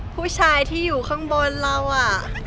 ผู้ชายที่อยู่ข้างบนเราอะ